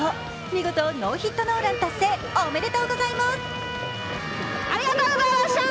見事ノーヒットノーラン達成、おめでとうございます。